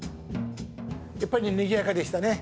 やっぱりにぎやかでしたね。